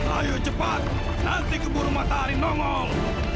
ayo cepat nanti keburu matahari nongol